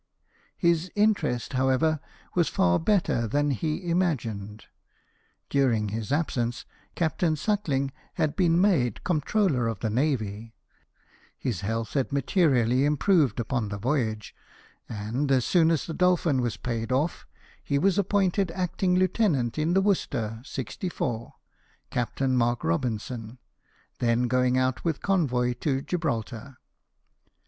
His interest, however, was far better than he imagined. During his absence, Captain Suckling had been made Comptroller of the Navy ; his health had materially improved upon the voyage ; and, as soon as the Dolphin was paid off, he was appointed acting lieutenant in the Worcester, 64, Captain Mark Eobin son, then going out with convoy to Gibraltar.